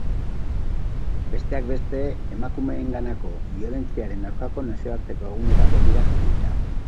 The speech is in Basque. Besteak beste, emakumeenganako biolentziaren aurkako nazioarteko egunera begira jarriko dira.